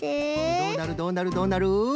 どうなるどうなるどうなる？